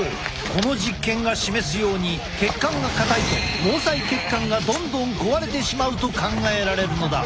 この実験が示すように血管が硬いと毛細血管がどんどん壊れてしまうと考えられるのだ。